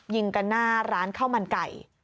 ยิงกันหน้าร้านข้าวมันไก่